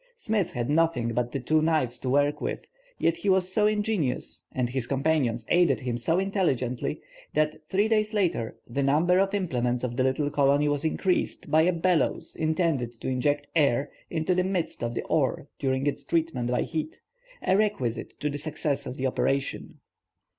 Smith had nothing but the two knives to work with, yet he was so ingenious and his companions aided him so intelligently, that, three days later, the number of implements of the little colony was increased by a bellows intended to inject air into the midst of the ore during its treatment by heat—a requisite to the success of the operation.